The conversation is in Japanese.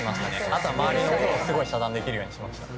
あとは周りの音を遮断できるようにしました。